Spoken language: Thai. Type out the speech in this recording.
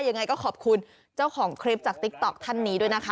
ยังไงก็ขอบคุณเจ้าของคลิปจากติ๊กต๊อกท่านนี้ด้วยนะคะ